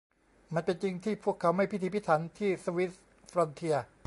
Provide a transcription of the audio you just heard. มันเป็นจริงที่พวกเขาไม่พิถีพิถันที่สวิส ฟรอนเทียร์